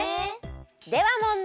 では問題！